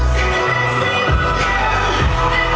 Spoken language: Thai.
สวัสดีครับ